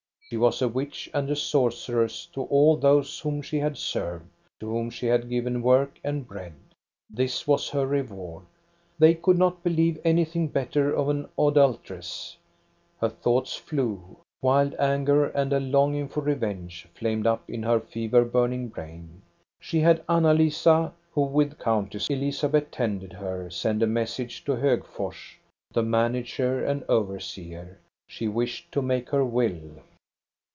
She was a witch and a sorceress to all those whom she had served, to whom she had given work and bread. This was her reward. They could not be lieve anything better of an adulteress. MARGARETA CELSING 463 Her thoughts flew. Wild anger and a longing for revenge flamed up in her fever burning brain. She had Anna Lisa, who with Countess Elizabeth tended her, send a message to Hogfors to the manager and overseer. She wished to make her will.